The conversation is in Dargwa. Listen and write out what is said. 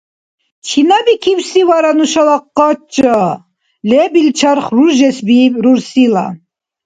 Чина бикибси вара нушала къача? – лебил чарх руржесбииб рурсила.